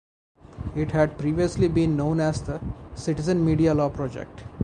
It had previously been known as the Citizen Media Law Project.